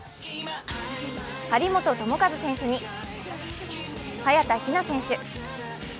張本智和選手に早田ひな選手。